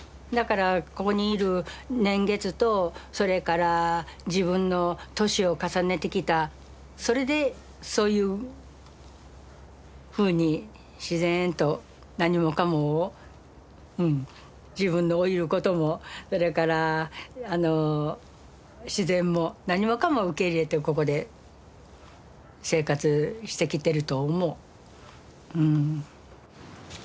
だからここにいる年月とそれから自分の年を重ねてきたそれでそういうふうに自然と何もかもを自分の老いることもそれから自然も何もかも受け入れてここで生活してきてると思う。